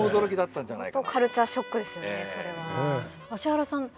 芦原さん